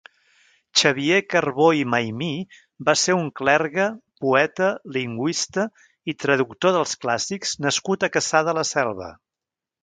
Xavier Carbó i Maymí va ser un clergue, poeta, lingüista i traductor dels clàssics nascut a Cassà de la Selva.